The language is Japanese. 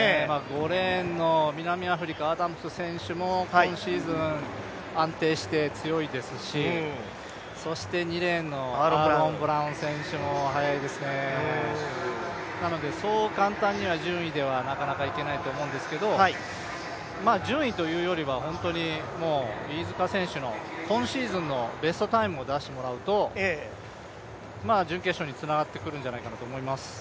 ５レーンの南アフリカアダムス選手も、今シーズン、安定して、強いですし、２レーンのアーロン・ブラウン選手も速いですねなのでそう簡単には順位ではなかなかいけないと思うんですけど順位というよりは、飯塚選手の今シーズンのベストタイムを出してもらうと準決勝につながってくるんじゃないかと思います。